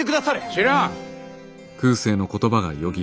知らん。